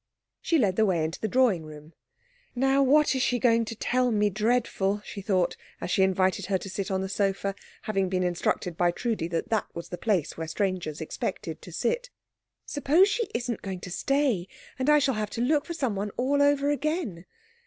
She led the way into the drawing room. "Now what is she going to tell me dreadful?" she thought, as she invited her to sit on the sofa, having been instructed by Trudi that that was the place where strangers expected to sit. "Suppose she isn't going to stay, and I shall have to look for someone all over again?